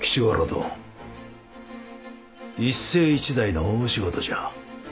どん一世一代の大仕事じゃ。